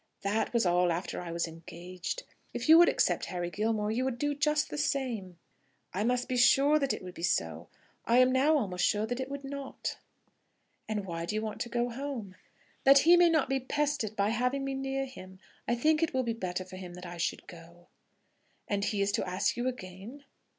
"That was all after I was engaged. If you would accept Harry Gilmore, you would do just the same." "I must be sure that it would be so. I am now almost sure that it would not." "And why do you want to go home?" "That he may not be pestered by having me near him. I think it will be better for him that I should go." "And he is to ask you again?"